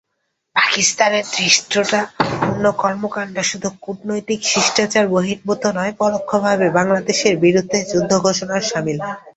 পাকিস্তানের ধৃষ্টতাপূর্ণ কর্মকাণ্ড শুধু কূটনৈতিক শিষ্টাচারবহির্ভূত নয়, পরোক্ষভাবে বাংলাদেশের বিরুদ্ধে যুদ্ধ ঘোষণার শামিল।